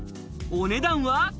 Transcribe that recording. お値段は？